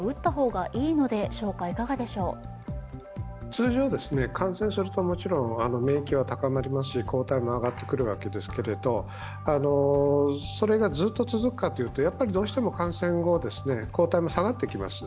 通常、感染すると、もちろん免疫は高まりますし抗体も上がってくるわけですけど、それがずっと続くかというとどうしても感染後抗体も下がってきます。